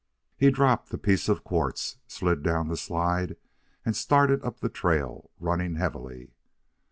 He dropped the piece of quartz, slid down the slide, and started up the trail, running heavily.